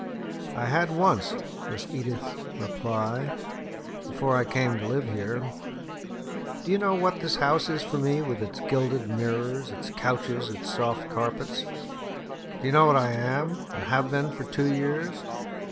"I had once," was Edith's reply, "before I came to live here. Do you know what this house is for me, with its gilded mirrors, its couches, its soft carpets? Do you know what I am, and have been for two years?"